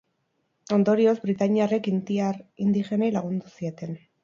Ondorioz, britaniarrek indiar indigenei lagundu zieten.